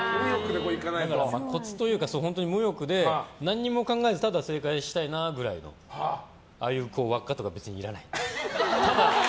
コツというか、無欲で何も考えずただ正解したいなぐらいのああいう輪っかとか別にいらない。